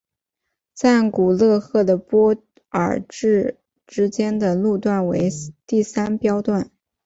赞古勒赫的波尔至之间的路段为第三标段。